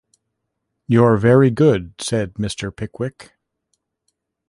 ‘You’re very good,’ said Mr. Pickwick.